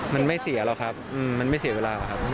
มันไม่เสียหรอกครับมันไม่เสียเวลาหรอกครับ